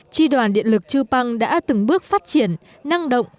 tri đoàn điện lực chư păng đã từng bước phát triển năng động